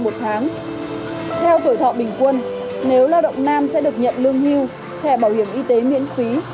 theo tuổi thọ bình quân nếu lao động nam sẽ được nhận lương hưu thẻ bảo hiểm y tế miễn phí